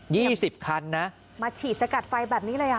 สิบคันนะมาฉีดสกัดไฟแบบนี้เลยอ่ะ